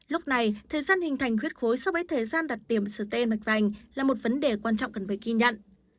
lúc này thời gian hình thành khuyết khối so với thời gian đặt điểm sợt tên mạch vành là một vấn đề quan trọng cần phải ghi nhận